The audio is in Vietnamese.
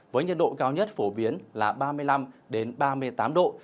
với nhiệt độ cao nhất phổ biến là ba mươi năm ba mươi tám độ